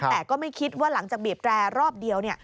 แต่ก็ไม่คิดว่าหลังจากบีบแตรรอบเดียว